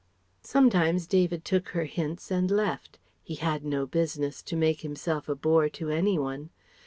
Sometimes David took her hints and left: he had no business to make himself a bore to any one.